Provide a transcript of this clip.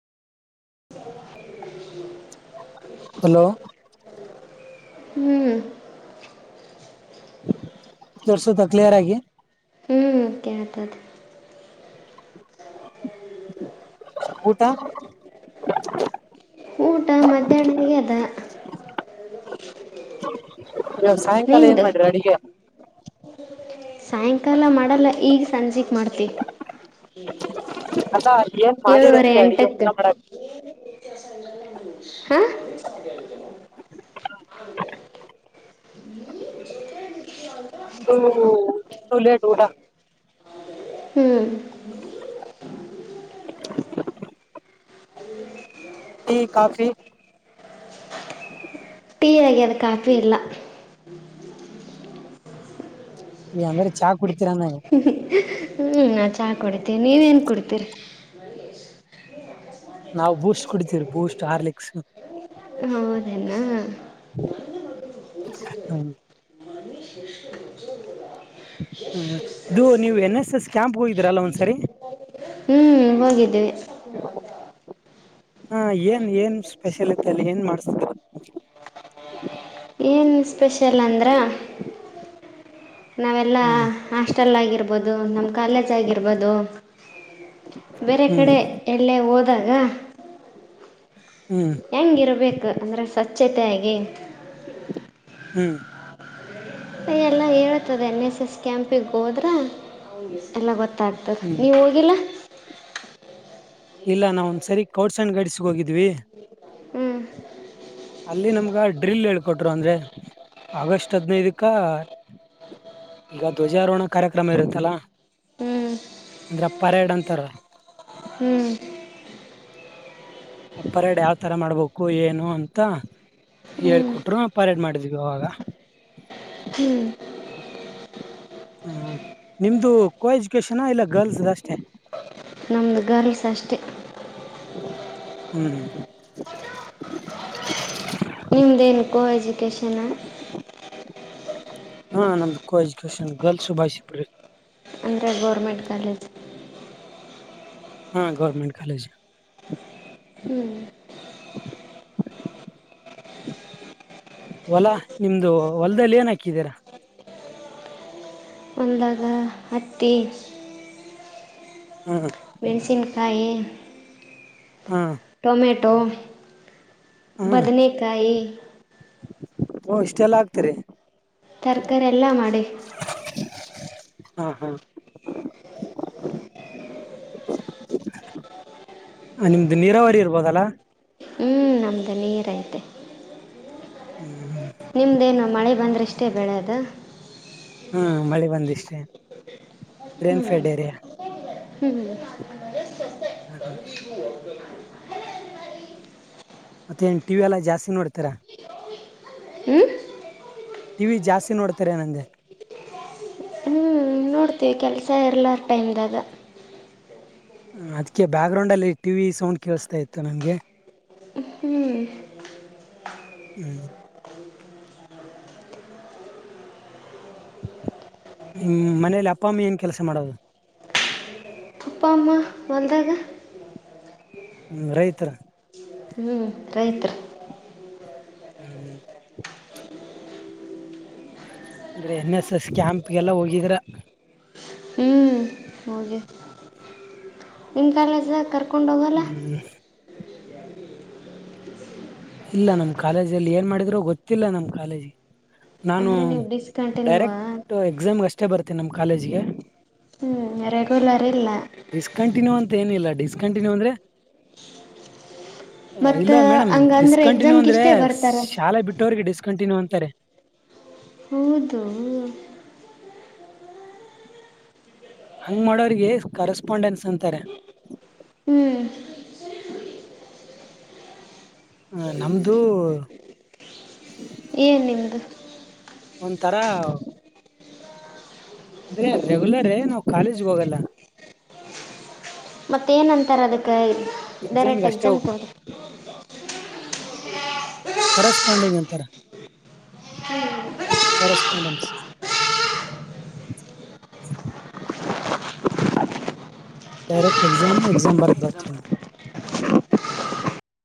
Hello. ಹ್ಮ್. ತೋರ್ಸದ clear ಆಗಿ. ಹ್ಮ ಕೇಳ್ತಾದ. ಹ್ಮ್. ಊಟಾ. ಊಟ ಮಧ್ಯಾಹ್ನಗೆ ಅದ, ಇವ್ವತು ಸಾಯಂಕಾಲ ಏನ್ ನಿಂದು ಮಾಡ್ರ ಅಡಿಗೆ. ಸಾಯಂಕಾಲ ಮಾಡಲ್ಲ. ಈಗ ಸಂಜಿಕಿ ಮಾಡ್ತಿವಿ. ಅದಾ ಏನ್ ಮಾಡಿರಂತೆ ಅಡುಗೆ ಹಊಟ ಎಂಟಕ್ಕೆ ಮಾಡಕ್. [inaudible] ಹ ಒ ಲೇಟ್ ಊಟ. ಹ್ಞೂ ಟೀ ಕಾಫಿ [inaudible] ಟೀ ಆಗ್ಯದ್ ಕಾಫಿ ಇಲ್ಲ. ನೀ ಅಂದ್ರೆ ಚಾ ಕುಡತಿರ ಅನ್ನ. ಹ್ಮ ನಾ ಚಾ ಕುಡಿತೀನ್ ನೀವ್ ಏನ್ ಕುಡಿತಿರ್. ನಾವು ಬೂಸ್ಟ್ ಕುಡಿತೀವ್ರಿ ಬೂಸ್ಟ್ ಹಾರ್ಲಿಕ್ಸ್ ಹೌದೇನಾ ಹ್ಮ ಹ್ಮ್ ಇದು ನೀವು ಎನ್ ಎಸ್ ಎಸ್ ಕ್ಯಾಂಪ್ ಹೋಗಿದೀರಲ್ಲ ಒಂದ್ಸರಿ, ಹ್ಮ್ ಹೋಗಿದ್ವಿ ಹಾ ಏನ್ ಏನ್ ಸ್ಪೆಷಲ್ ಇತ್ತಲ್ಲಿ ಏನ್ ಮಾಡಸ್ದ್ರು. ಏನು ಸ್ಪೆಷಲ್ ಅಂದ್ರ ನಾವೆಲ್ಲ ಹ್ಮ್ ಹಾಸ್ಟೆಲ್ ಆಗಿರ್ಬೋದು ನಮ್ಮ ಕಾಲೇಜ್ ಆಗಿರ್ಬೋದು ಬೇರೆ ಹ್ಮ್ ಕಡೆ ಎಲ್ಲೆ ಓ ಅದಾಗ [inaudible] ಹೆಂಗ್ ಇರ್ಬೇಕು ಅಂದ್ರೆ ಸಚ್ ಚತೆಯಾಗಿ. ಹ್ಮ್ ಯ ಎಲ್ಲ ಹೇಳೇತದೆ ಎನ್ ಎಸ್ ಎಸ್ ಕ್ಯಾಂಪಿಗೆ ಹೋದ್ರ ಎಲ್ಲ ಗೊತ್ತಾಗ್ತದೆ ಹ್ಮ್ ನೀವ್ ಹೋಗಿಲ್ಲ. ಇಲ್ಲ ನಾವ ಒಂದ್ ಸರಿ ಸ್ಕೌಡ್ಸ ಅಂಡ್ ಗೈಡ್ಸ್ಗ್ ಹೋಗಿದ್ವಿ. ಹ್ಞೂ ಅಲ್ಲಿ ನಮ್ಗ ಡ್ರಿಲ್ ಹೇಳ್ಕೊಟ್ರು ಅಂದ್ರೆ ಆಗಸ್ಟ್ ಹದ್ನೈದಕ್ಕ ಈಗ ಧ್ವಜಾರೋಹಣ ಕಾರ್ಯಕ್ರಮ ಇರುತ್ತಲ್ಲ ಹ್ಞೂ ಅಂದ್ರೆ ಪರೇಡ್ ಅಂತಾರ. ಹ್ಞೂ ಆ ಪರೇಡ್ ಯಾವ್ತರ ಮಾಡ್ಬೇಕು ಏನು ಅಂತ ಹ್ಞೂ ಹೇಳ್ಕೊಟ್ರು ಪರೇಡ್ ಮಾಡಿದ್ವಿ ಅವಾಗ. ಹ್ಮ ನಿಮ್ದು ಕೋ ಎಜುಕೇಶನ ಇಲ್ಲ ಗರ್ಲ್ಸ್ ಅಷ್ಟೇ. ನಮದು ಗರ್ಲ್ಸ್ ಅಷ್ಟೇ. ಹ್ಮ್ ನಿಮ್ದೇನು ಕೋ ಎಜುಕೇಶನ. ಹಾ ನಮ್ದು ಕೋ ಎಜುಕೇಶನ್ ಗರ್ಲ್ಸ್ ಬಾಯ್ಸ್ ಇಬ್ರು ಇರ್ ಅಂದರೆ ಗೌರ್ಮೆಂಟ್ ಕಾಲೇಜ್. ಹಾ ಗೌರ್ಮೆಂಟ್ ಕಾಲೇಜ್ ಹ್ಞೂ [inaudible] ಹೊಲ ನಿಮ್ದು ಹೊಲದಲ್ಲಿ ಏನ್ ಹಾಕಿದೀರಾ, ಒಲ್ದಾಗ ಹತ್ತಿ ಹ್ಮ ಮೆಣಸಿನಕಾಯಿ ಹಾ ಟೊಮೆಟೊ ಹ್ಮ್ ಬದನೆಕಾಯಿ ಓ ಇಷ್ಟೆಲ್ಲಾ ಆಗ್ತರಿ. ತರಕಾರಿ ಎಲ್ಲ ಮಾಡಿ. ಹಾ ಹಾ ನಿಮ್ದು ನೀರಾವರಿ ಇರ್ಬೋದಲ್ಲ. ಹ್ಞೂ ನಮ್ಮದು ನೀರೈತೆ ಹ್ಮ್ ನಿಮ್ದೇನು ಮಳೆ ಬಂದ್ರಷ್ಟೇ ಬೆಳೆಯದ ಹ್ಮ್ ಮಳೆ ಬಂದಿಷ್ಟೇ. ರೇನ್ ಫೆಡ್ ಏರಿಯಾ ಹ್ಮ್ ಹ್ಮ್್ಮ ಹ್ಮ್ ಹ್ಮ್ ಮತ್ತೆ ಏನ್ ಟಿವಿ ಎಲ್ಲಾ ಜಾಸ್ತಿ ನೋಡ್ತಾರಾ ಹ್ಞೂ ಟಿವ ವಿ ಜಾಸ್ತಿ ನೋಡ್ತಾರೆ ನ ಹ್ಞೂ ನೋಡ್ತೀವಿ ಕೆಲಸ ಇರ್ಲ್ಲ ಟೈಮ್ದಾಗ ಹ ಅದ್ಕ್ಕೆ ಬ್ಯಾಕ್ ಗ್ರೌಂಡ್ಲ್ಲಿ ಟಿವಿ ಸೌಂಡ್ ಕೇಳಿಸತಾ ಇತ್ತು ನಮ್ಗೆ ಹ್ಞೂ ಹ್ಮ್ ನಿ ಮನೇಲಿ ಅಪ್ಪಮ್ಮಿ ಏನ್ ಕೆಲಸ ಮಾಡೋದು ಹಂದಾಗ ಹ್ಮ ರೈತರ ಹ್ಞೂ ರೈತರು ಹ್ಮ್ ಹ್ಮ್ ಅಂದ್ರೆ ಎನ್ ಎಸ್ ಎಸ್ ಕ್ಯಾಂಪ್ಗೆಲ್ಲ ಹೋಗಿದ್ರ ಹ್ಞೂ ನಿಮ ಕಾಲಸ ಕರ್ ಕುಂಡಗಲ ಹ್ಮ್ ಇಲ್ಲ ನಮ್ ಕಾಲೇಜಲ್ಲಿ ಏನ್ ಮಾಡಿದ್ರರು ಗೊತ್ತಿಲ್ಲ ನಮ್ ಕಾಲೇಜಿ ನಾನು ಅಂದರೆ ನೀವು ಡಿಸ್ಕಂಟಿನ್ಯೂವ ಡೈರೆಕ್ಟ್ ಎಕ್ಸಾಮ್ ಅಷ್ಟೇ ಬರ್ತನೆ ಮ ನಮ್ ಕಾಲೇಜ್ಗೆ ಹ್ಮ ರೆಗುಲರ್ ಇಲ್ಲ ಡಿಸ್ಕಂಟಿನ್ಯೂ ಅಂತ ಏನಿಲ್ಲ ಡಿಸ್ಕಂಟಿನ್ಯೂ ಅಂದ್ರೆ ಇಲ್ಲ ಮತ್ತು ಮೇಡಮ್ ಹಂಗಂದ್ರೆ ಡಿಸ್ಕಂಟಿನ್ಯೂ ಎಕ್ಸಾಮ್ಗೆ ಅಂದ್ರೆ ಇಷ್ಟೇ ಬರ್ತಾರ ಶಾಲೆ ಬಿಟ್ಟೋರಿಗೆ ಡಿಸ್ ಕಂಟಿನ್ಯೂ ಅಂತಾರೆ ಕೂದ ಹಂಗ್ ಮಾಡೋಿಗೆ ಕರೆಸ್ಪಾಂಡೆನ್ಸ್ ಅಂತಾರೆ ಹ್ಞೂ ಹ ನಮ್ದು ಏನ್ ನಿಮ್ದು ಒಂಥರ ಅಂದ್ರೆ ರೆಗ್ಯುಲರೇ ನಾವವು ಕಾಲೇಜ್ಗೆ ಹೋಗಲ್ಲ ಮತ್ತ ಏನ್ಂತಾರ ಅದಕ್ಕ ಎಕ್ಸಾಮ್ಗೆ ಡೈರೆಕ್ಟ್ ಅಷ್ಟೇ ಎಕ್ಸಾಮ್ ಹೋಗ ಕೊಡಿ ಕಸ್ಪಾಂಡಿಂಗ್ ಎಂತಾರಸ್ಪಾಂಡೆಂಗಸ್ ಡೈಕ್ಟ್ ಎಕ್ಸಾಮ್ ಎಸಾಮ್ ಬರೆದು ಬರ್ತವಿ ನ